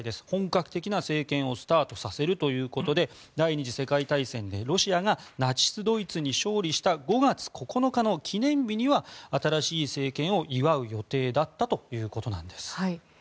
本格的な政権をスタートさせるということで第２次世界大戦でロシアがナチス・ドイツに勝利した５月９日の記念日には新しい政権を祝う予定だったということなんです。